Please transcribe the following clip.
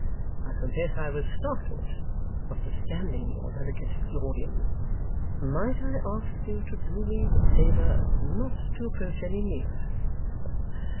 I confess I was startled, notwithstanding your delicate exordium. Might I ask you to do me the favour not to approach any nearer?